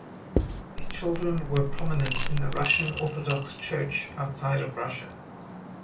His children were prominent in the Russian Orthodox Church Outside of Russia.